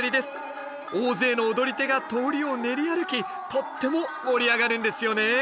大勢の踊り手が通りを練り歩きとっても盛り上がるんですよね